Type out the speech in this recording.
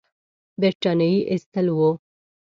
برټانیې ایستل وو.